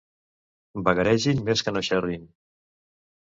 Vagaregin més que no xerrin.